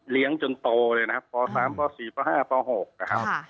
เลี้ยงจนโตเลยนะครับป๓ป๔ป๕ป๖ครับ